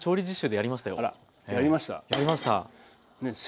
やりました？